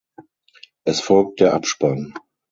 Es folgt der Abspann.